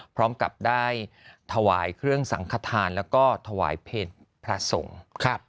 พร้อมกับได้ถวายเครื่องสังขทานแล้วก็ถวายเพลพระสงฆ์